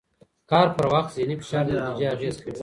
کار پر وخت ذهني فشار د نتیجې اغېز کوي.